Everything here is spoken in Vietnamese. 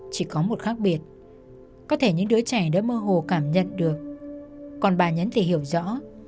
chỉ có một khác biệt có thể những đứa trẻ đã mơ hồ cảm nhận được còn bà nhấn thì hiểu rõ